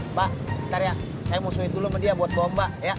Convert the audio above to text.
mbak ntar ya saya musuhin dulu sama dia buat bomba ya